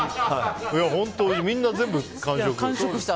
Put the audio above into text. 本当、みんな全部完食。